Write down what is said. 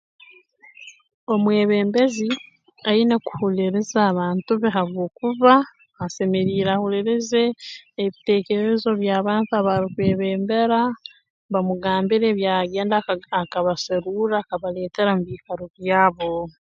Omwebembezi aine kuhuliriza abantu be habwokuba asemeriire ahulirize ebiteekerezo by'abantu abaarukwebembera n'omugambira ebi araagenda aka akabaserurra akabaleetera mu biikaro byabo